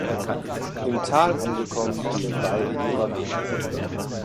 Im Tal angekommen gehen beide ihrer Wege.